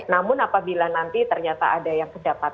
namun apabila nanti ternyata ada yang kedapatan lain